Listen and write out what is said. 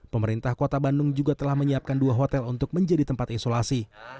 pemerintah kota bandung juga telah menyiapkan dua hotel untuk menjadi tempat isolasi